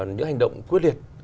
những hành động quyết liệt